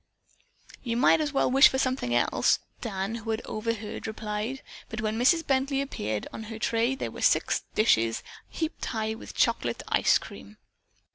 "You might as well wish for something else," Dan, who had overheard, replied, but when Mrs. Bently appeared, on her tray there were six dishes heaped high with chocolate ice cream.